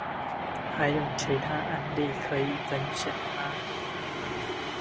還有其他案例可以分享嗎？